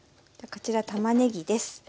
こちらたまねぎです。